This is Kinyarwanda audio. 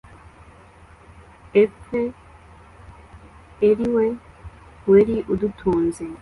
epfe eri we weri udutunze